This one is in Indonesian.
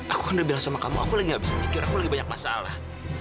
aku anda bilang sama kamu aku lagi gak bisa mikir aku lagi banyak masalah